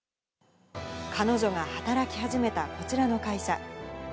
彼女が働き始めたこちらの会社。